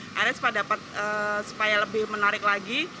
akhirnya sempat dapat supaya lebih menarik lagi